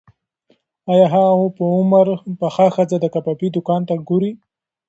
ایا هغه په عمر پخه ښځه د کبابي دوکان ته ګوري؟